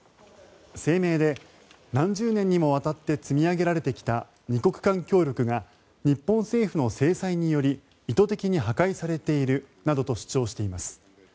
声明で、何十年にもわたって積み上げられてきた２国間協力が日本政府の制裁により意図的に破壊されているなどと主張しています。